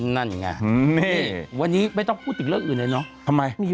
นั่นไงนี่วันนี้ไม่ต้องพูดถึงเรื่องอื่นเลยเนาะ